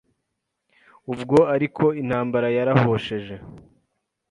Ubwo ariko intambara yarahosheje